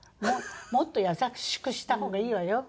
もっと優しくした方がいいわよ。